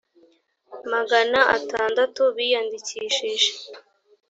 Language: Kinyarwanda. magana atandatu biyandikishije